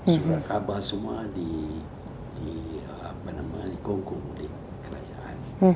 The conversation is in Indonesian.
sudah khabar semua dikongkong oleh kekayaan